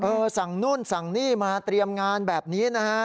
สั่งนู่นสั่งนี่มาเตรียมงานแบบนี้นะฮะ